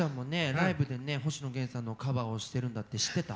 ライブでね星野源さんのカバーをしてるんだって知ってた？